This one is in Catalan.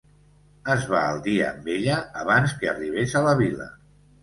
Es va al dia amb ella abans que arribés a la vila.